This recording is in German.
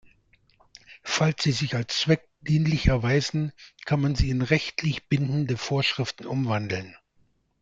Falls sie sich als zweckdienlich erweisen, kann man sie in rechtlich bindende Vorschriften umwandeln.